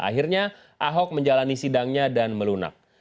akhirnya ahok menjalani sidangnya dan melunak